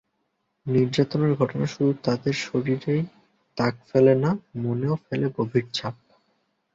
নির্যাতনের ঘটনা শুধু তাঁদের শরীরেই দাগ ফেলে না, মনেও ফেলে গভীর ছাপ।